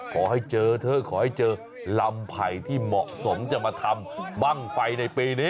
ขอให้เจอเถอะขอให้เจอลำไผ่ที่เหมาะสมจะมาทำบ้างไฟในปีนี้